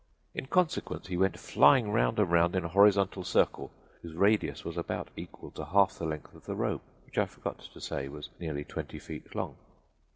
In consequence he went flying round and round in a horizontal circle whose radius was about equal to half the length of the rope, which I forgot to say was nearly twenty feet long.